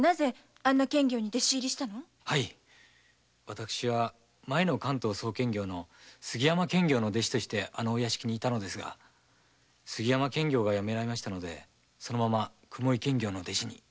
私は前の関東総検校の杉山検校の弟子としてあの屋敷にいたのですが杉山検校がやめられたのでそのまま雲居検校の弟子に。